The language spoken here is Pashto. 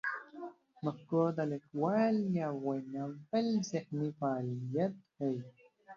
مفکوره د لیکوال یا ویناوال ذهني فعالیت ښيي.